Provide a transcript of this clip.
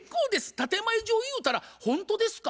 建て前上言うたら「ほんとですか？」